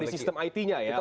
oh di sistem it nya ya oke